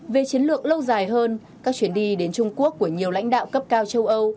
về chiến lược lâu dài hơn các chuyến đi đến trung quốc của nhiều lãnh đạo cấp cao châu âu